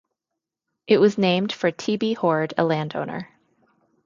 It was named for T. B. Hord, a landowner.